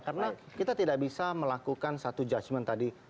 karena kita tidak bisa melakukan satu judgement tadi